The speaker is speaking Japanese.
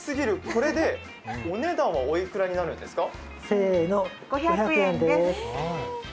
これでお値段はおいくらになるんですか？